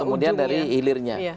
kemudian dari hilirnya